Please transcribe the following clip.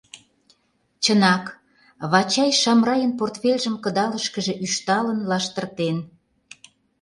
Чынак, Вачай Шамрайын портфельжым кыдалышкыже ӱшталын лаштыртен.